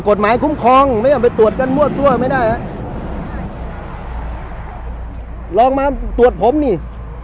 กฎหมายคุ้มครองไม่ยอมไปตรวจกันมั่วซั่วไม่ได้ฮะลองมาตรวจผมนี่